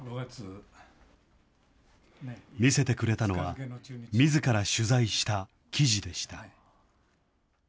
見せてくれたのは、みずから取材した記事でした。